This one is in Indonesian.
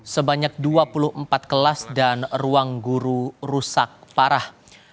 sebanyak dua puluh empat kelas dan ruang guru rusak parah